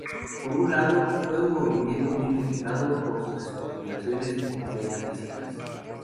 Por un lado, fue un movimiento muy criticado por sus especulaciones metafísicas.